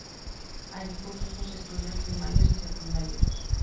Allí cursó sus estudios primarios y secundarios.